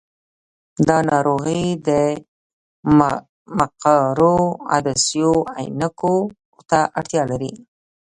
دا ناروغي د مقعرو عدسیو عینکو ته اړتیا لري.